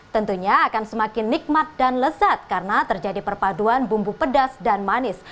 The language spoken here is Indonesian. tentunya akan semakin nikmat dan lezat karena terjadi perpaduan bumbu pedas dan manis